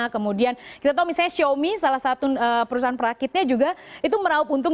kemudian kita tahu misalnya xiaomi salah satu perusahaan perakitnya juga itu meraup untung